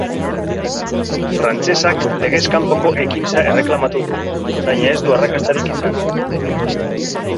Frantsesak legez kanpoko ekintza erreklamatu du, baina ez du arrakastarik izan.